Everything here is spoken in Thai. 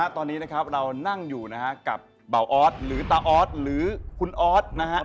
ตอนนี้นะครับเรานั่งอยู่กับเบาออสหรือตาออสหรือคุณออสนะฮะ